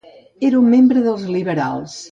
Era un membre dels liberals.